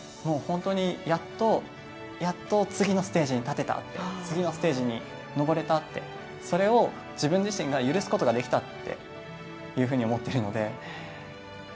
やっと、やっと次のステージに立てたって次のステージに上れたってそれを自分自身が許すことができたっていうふうに思ってるので。